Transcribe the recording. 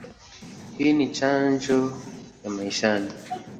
Hii ni chanjo ya maishani.